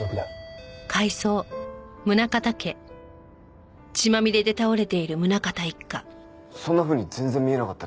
えっそんなふうに全然見えなかったですけど。